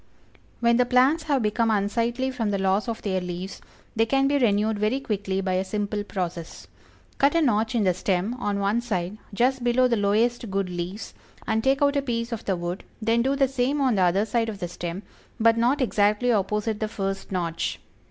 When the plants have become unsightly from the loss of their leaves, they can be renewed very quickly by a simple process. Cut a notch in the stem, on one side, just below the lowest good leaves, and take out a piece of the wood, then do the same on the other side of the stem, but not exactly opposite the first notch.